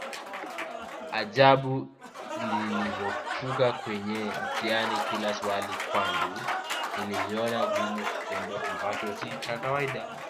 Ajabu nilivokuwa kwenye mtihani kila swali kwangu nililiona gumu kitendo Ambacho si cha kawaida